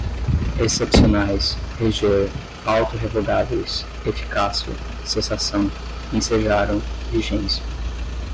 excepcionais, reger, auto-revogáveis, eficácia, cessação, ensejaram, vigência